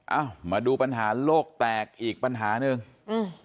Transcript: เอ้ามาดูปัญหาโลกแตกอีกปัญหาหนึ่งอืม